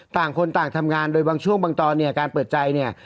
ต่างคนต่างทำงานโดยบางช่วงบางตอนเนี่ยการเปิดใจเนี่ย